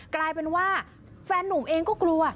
กลายเป็นว่าแฟนนุ่มเองก็กลัว